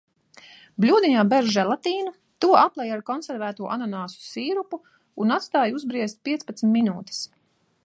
Bļodiņā ber želatīnu, to aplej ar konservēto ananasu sīrupu un atstāj uzbriest piecpadsmit minūtes.